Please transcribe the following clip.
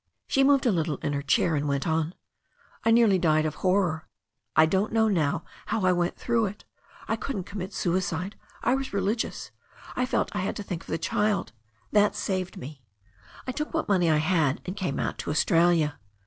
She moved a little in her chair and went on. "I nearly died of horror, I don't know now how I went through it. I couldn't commit suicide — ^I was religious. I felt I had to think of the child — ^that saved me. I took what THE STORY OF A NEW ZEALAND RIVER 337 money I had, and came out to Australia.